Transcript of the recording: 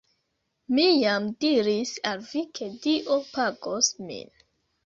Mi jam diris al vi ke Dio pagos min